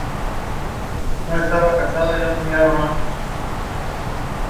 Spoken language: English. He resumed his work with Goldsbrough Mort after the war.